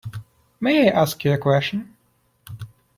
May I ask you a question?